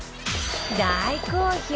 大好評！